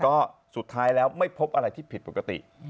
ก็สุดท้ายแล้วไม่พบอะไรที่ผิดปกติ